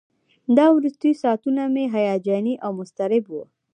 دا وروستي ساعتونه مې هیجاني او مضطرب وو.